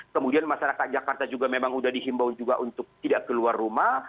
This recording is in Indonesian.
kemudian masyarakat jakarta juga memang sudah dihimbau juga untuk tidak keluar rumah